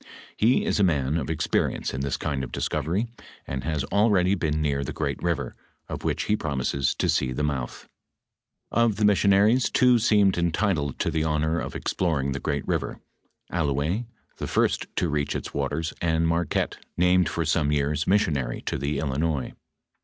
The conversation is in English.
He is a man of experience in this kind of discovery, and has al ready been near the great river, of which he promises to see the mouth."* Of the missionaries, two seemed entitled to the honor of exploring the great river, AUouez, the first to reach its waters, and Marquette named for some years missionary to the Il linois.